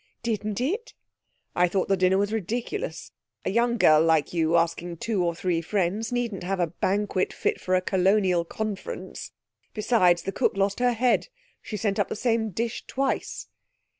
'Didn't it?' 'I thought the dinner was ridiculous. A young girl like you asking two or three friends needn't have a banquet fit for a Colonial Conference. Besides, the cook lost her head. She sent up the same dish twice.'